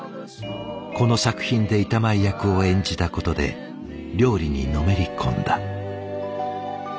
この作品で板前役を演じたことで料理にのめり込んだ。